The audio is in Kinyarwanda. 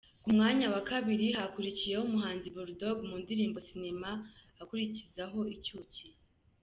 Ku mwanya wa kabiri hakurikiyeho umuhanzi Bull Dog mu ndirimbo Sinema akurikizaho Icyucyi.